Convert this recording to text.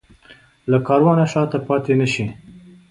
له کاروانه شاته پاتې نه شي.